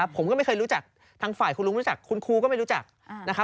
ผมก็ไม่เคยรู้จักทางฝ่ายคุณลุงรู้จักคุณครูก็ไม่รู้จักนะครับ